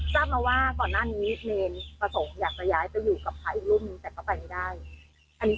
ทราบมั้วว่าก่อนหน้านี้เมนประสงค์อยากจะย้ายไปอยู่กับพระอีกรุ่นนึง